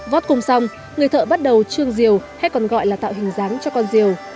vót cung xong người thợ bắt đầu trương diều hay còn gọi là tạo hình dáng cho con rìu